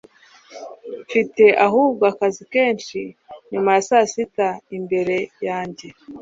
Mfite ahubwo akazi kenshi nyuma ya saa sita imbere yanjye.